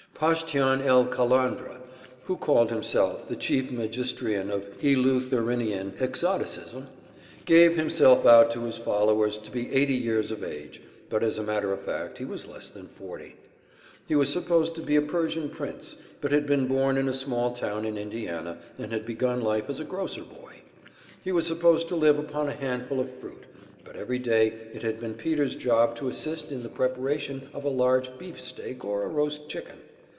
Pashtian el Kalandra, who called himself the Chief Magistrian of Eleutherinian Exoticism, gave himself out to his followers to be eighty years of age, but as a matter of fact he was less than forty. He was supposed to be a Persian prince, but had been born in a small town in Indiana, and had begun life as a grocer boy. He was supposed to live upon a handful of fruit, but every day it had been Peter's job to assist in the preparation of a large beef steak or a roast chicken.